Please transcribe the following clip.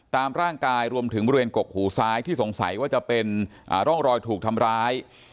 ตามร่างกายรวมถึงบริเวณกกหูซ้ายที่สงสัยว่าจะเป็นร่องรอยถูกทำร้าย